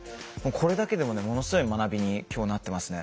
これだけでもねものすごい学びに今日なってますね。